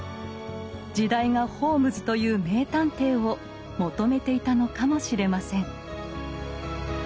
時代がホームズという名探偵を求めていたのかもしれません。